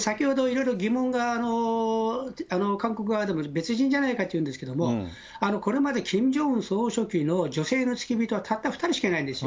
先ほどいろいろ疑問が、韓国側でも別人じゃないかっていうんですけれども、これまでキム・ジョンウン総書記の女性の付き人はたった２人しかいないんです。